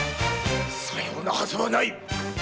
そのようなはずはない。